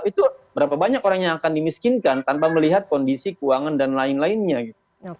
itu berapa banyak orang yang akan dimiskinkan tanpa melihat kondisi keuangan dan lain lainnya gitu